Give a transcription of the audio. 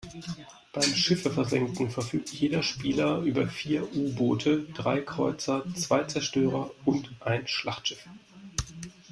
Beim Schiffe versenken verfügt jeder Spieler über vier U-Boote, drei Kreuzer, zwei Zerstörer und ein Schlachtschiff.